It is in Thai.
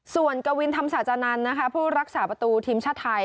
ส่วนกวินธรรมศาจานันทร์นะคะผู้รักษาประตูทีมชาติไทย